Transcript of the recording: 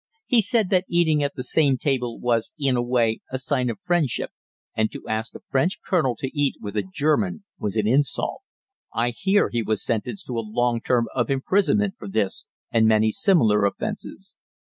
He said that eating at the same table was in a way a sign of friendship, and to ask a French colonel to eat with a German was an insult. I hear he was sentenced to a long term of imprisonment for this and many similar offenses.